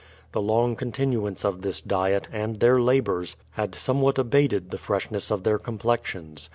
The long contin uance of this diet, and their labours, had somewhat abated the freshness of their complexions.